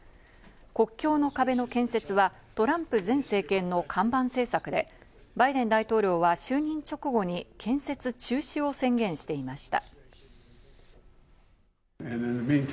国境の壁の建設は、トランプ前政権の看板政策で、バイデン大統領は就任直後に建設中止を宣言していました。